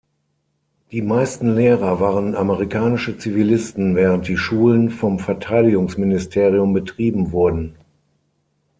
Die meisten Lehrer waren amerikanische Zivilisten, während die Schulen vom Verteidigungsministerium betrieben wurden.